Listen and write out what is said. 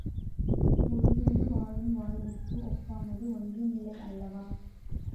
உழுதுண்டு வாழும் வாழ்விற்கு ஒப்பானது ஒன்றுமில்லை அல்லவா?